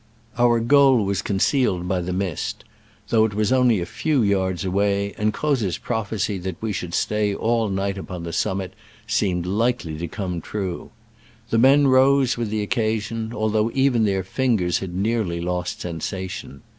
Our goal was concealed by the mist, though it was only a few yards away, and Croz's prophecy that we should stay all night upon the summit seemed likely to come true. The men rose with the occasion, although even their fingers had nearly lost sensation.